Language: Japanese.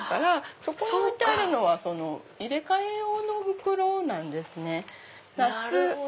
そこに置いてあるのは入れ替え用の袋なんですね。